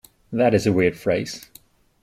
That is a weird phrase.